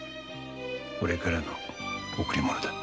俺からの贈り物だ。